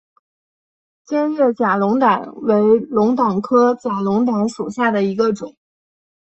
尖叶假龙胆为龙胆科假龙胆属下的一个种。